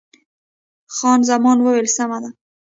خان زمان وویل، سمه ده.